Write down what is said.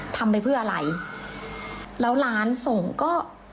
ทำไปเพื่ออะไรแล้วร้านส่งก็